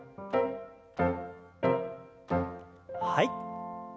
はい。